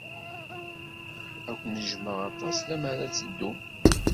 Ad ken-jjmeɣ aṭas lemmer ad teddum.